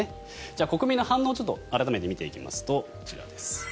じゃあ、国民の反応を改めて見ていきますとこちらです。